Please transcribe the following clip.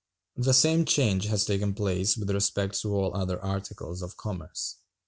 The same change has taken place with respect to all other articles of commerce.